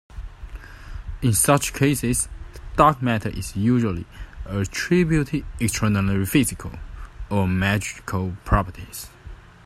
In such cases, dark matter is usually attributed extraordinary physical or magical properties.